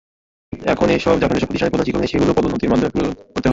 এখন যেসব প্রতিষ্ঠানে প্রধান শিক্ষক নেই, সেগুলো পদোন্নতির মাধ্যমে পূরণ করতে হবে।